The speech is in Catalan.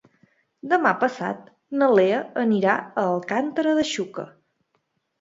Demà passat na Lea anirà a Alcàntera de Xúquer.